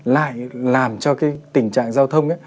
lại làm cho cái tình trạng giao thông